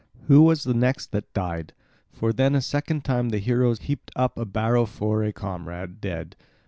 Who was the next that died? For then a second time the heroes heaped up a barrow for a comrade dead.